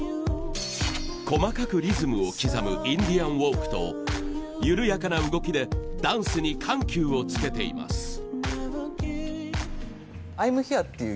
細かくリズムを刻むインディアンウォークと緩やかな動きでダンスに緩急をつけています。